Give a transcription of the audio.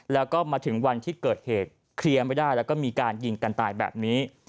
แล้วก็มาถึงวันที่เกิดเหตุเคลียร์ไม่ได้แล้วก็มีการยิงกันตายแบบนี้